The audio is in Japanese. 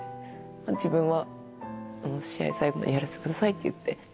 自分は、試合、最後までやらせてくださいって言って。